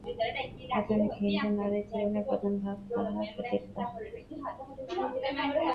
আধুনিক হিন্দু নারীর জীবনের প্রধান ভাব তাহার সতীত্ব।